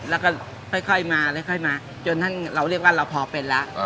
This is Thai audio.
แล้วก็ค่อยมาค่อยมาจนท่านเราเรียกว่าเราพอเป็นแล้ว